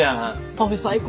パフェ最高！